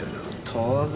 当然。